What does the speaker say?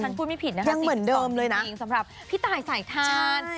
ฉันพูดไม่ผิดนะคะ๔๒จริงสำหรับพี่ตายสายทาน